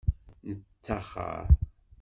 Nettaxer.